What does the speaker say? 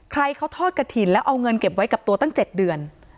ใครเขาทอดกระถิ่นแล้วเอาเงินเก็บไว้กับตัวตั้ง๗เดือน